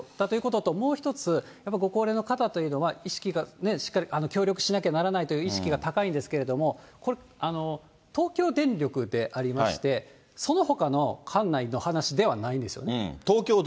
あともう一つ、やっぱりご高齢の方というのは、意識がしっかり、協力しなきゃならないという意識が高いんですけれども、これ東京電力でありまして、そのほかの管内の話ではないんですよね。